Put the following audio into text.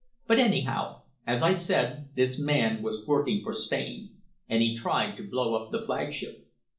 But anyhow, as I said this man was working for Spain. And he tried to blow up the flagship."